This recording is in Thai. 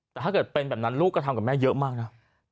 แต่ถ้าเกิดเป็นแบบนั้นลูกก็ทำกับแม่เยอะมากนะ